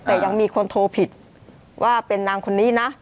แต่ยังมีคนโทรผิดว่าเป็นนางคนนี้นะ